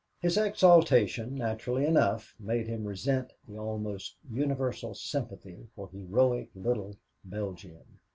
His exultation, naturally enough, made him resent the almost universal sympathy for heroic little Belgium.